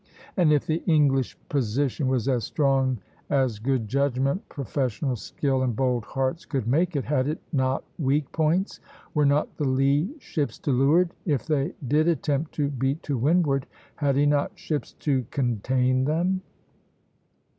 And if the English position was as strong as good judgment, professional skill, and bold hearts could make it, had it not weak points? Were not the lee ships to leeward? If they did attempt to beat to windward, had he not ships to "contain" them?